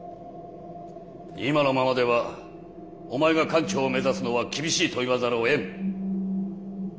今のままではお前が艦長を目指すのは厳しいと言わざるをえん。